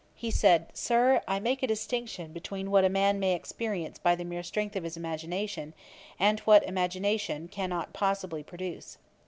He said, 'Sir, I make a distinction between what a man may experience by the mere strength of his imagination, and what imagination cannot possibly produce.